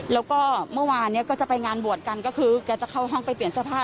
แล้วก็เมื่อวานเนี่ยก็จะไปงานบวชกันก็คือแกจะเข้าห้องไปเปลี่ยนเสื้อผ้า